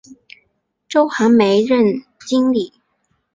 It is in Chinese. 周寒梅任经理。